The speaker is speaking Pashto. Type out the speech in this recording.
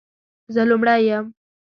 زه لومړۍ یم،